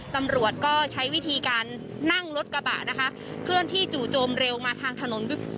ตำรวจก็ใช้วิธีการนั่งรถกระบะนะคะเคลื่อนที่จู่โจมเร็วมาทางถนน